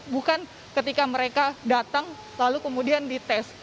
bukan ketika mereka datang lalu kemudian dites